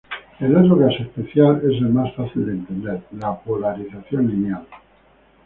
El otro caso especial es el más fácil de entender, la polarización lineal.